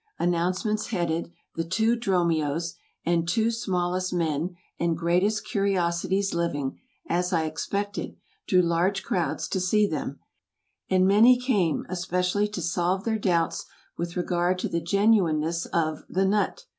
Announcements headed "The Two Dromios," and "Two Smallest Men, and Greatest Curiosities Living," as I expected, drew large crowds to see them, and many came especially to solve their doubts with regard to the genuineness of the "Nutt."